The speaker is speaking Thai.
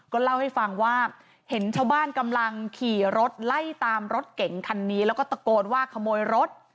เล่าให้ฟังว่าเห็นชาวบ้านกำลังขี่รถไล่ตามรถเก่งคันนี้แล้วก็ตะโกนว่าขโมยรถ